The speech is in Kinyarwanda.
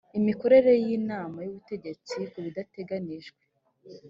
imikorere y inama y ubutegetsi ku bidateganijwe